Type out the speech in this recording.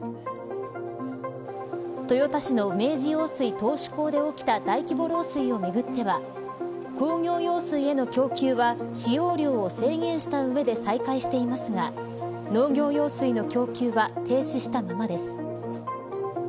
豊田市の明治用水頭首工で起きた大規模な漏水をめぐっては工業用水への供給は使用量を制限した上で再開していますが農業用水の供給は停止したままです。